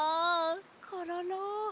コロロ！